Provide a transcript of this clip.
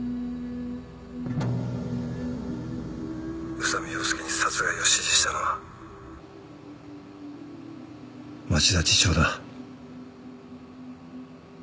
宇佐美洋介に殺害を指示したのは町田次長だ。